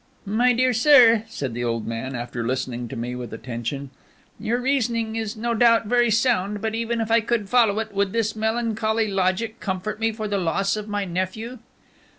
"My dear sir," said the old man, after listening to me with attention, "your reasoning is, no doubt, very sound; but even if I could follow it, would this melancholy logic comfort me for the loss of my nephew?"